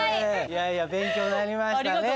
いやいや勉強になりましたね。